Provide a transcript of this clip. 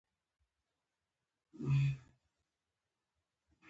لرګي د پسرلي، اوړي، او ژمي په موسمونو کې بیلابیل خواص لري.